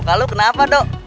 poka lu kenapa doh